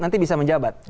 nanti bisa menjabat